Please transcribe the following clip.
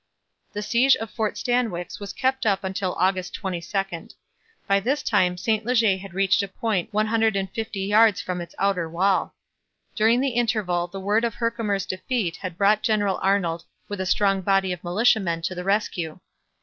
The siege of Fort Stanwix was kept up until August 22. By this time St Leger had reached a point one hundred and fifty yards from its outer wall. During the interval the word of Herkimer's defeat had brought General Arnold with a strong body of militiamen to the rescue.